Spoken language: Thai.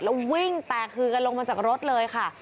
แล้ววิ่งแตกคือกันลงมาจากรถเลยค่ะ